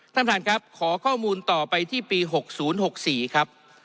ท่านท่านครับขอข้อมูลต่อไปที่ปี๖๐๖๔ครับ